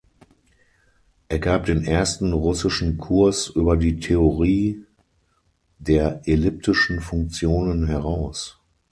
Er gab den ersten russischen Kurs über die Theorie der Elliptischen Funktionen heraus.